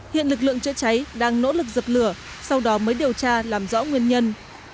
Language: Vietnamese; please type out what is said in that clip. hiện lực lượng chữa cháy đang nỗ lực dập lửa sau đó mới điều tra làm rõ nguyên nhân